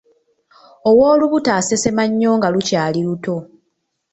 Ow'olubuto asesema nnyo nga lukyali luto.